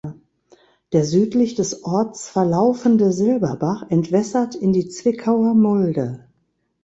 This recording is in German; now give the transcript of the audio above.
Der südlich des Orts verlaufende Silberbach entwässert in die Zwickauer Mulde.